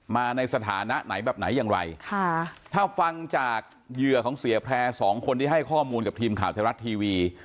มาในสถานะไหนแบบไหนอย่างไรค่ะถ้าฟังจากเหยื่อของเสียแพร่สองคนที่ให้ข้อมูลกับทีมข่าวไทยรัฐทีวี